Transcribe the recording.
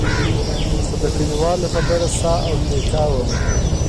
خو د کلیوالو خبره ساه او ټیکا وم.